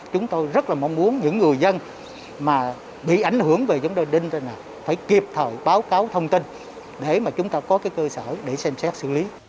chúng tôi rất là mong muốn những người dân mà bị ảnh hưởng về vấn đề đinh này phải kịp thời báo cáo thông tin để mà chúng ta có cái cơ sở để xem xét xử lý